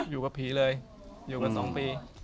อยู่กับผีเลยอยู่กัน๒ปี